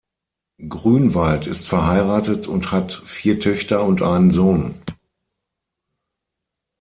Grünwald ist verheiratet und hat vier Töchter und einen Sohn.